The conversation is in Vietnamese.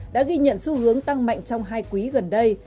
đã ghi nhận xu hướng tăng mạnh trong hai quý gần đây